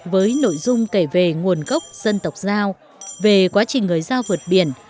với nội dung kể về nguồn gốc dân tộc giao về quá trình người giao vượt biển